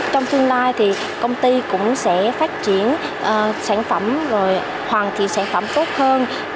trong tương lai thì công ty cũng sẽ phát triển sản phẩm rồi hoàn thiện sản phẩm tốt hơn